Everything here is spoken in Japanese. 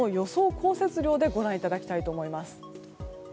降雪量でご覧いただきたいと思います。